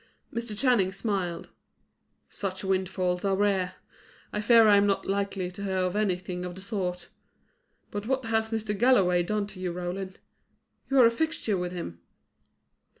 Mr. Channing smiled. "Such windfalls are rare. I fear I am not likely to hear of anything of the sort. But what has Mr. Galloway done to you, Roland? You are a fixture with him."